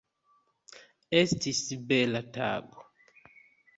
Esits bela tago.